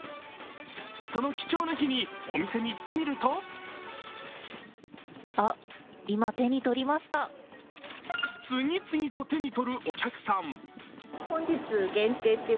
その貴重な日にお店に行ってみると次々と手に取るお客さん。